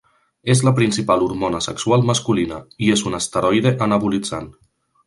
És la principal hormona sexual masculina, i és un esteroide anabolitzant.